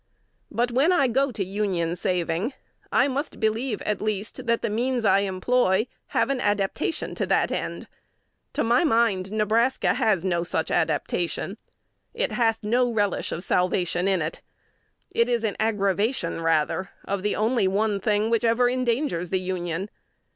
But, when I go to Union saving, I must believe, at least, that the means I employ have adaptation to the end. To my mind, Nebraska has no such adaptation. 'It hath no relish of salvation in it.' It is an aggravation, rather, of the only one thing which ever endangers the Union.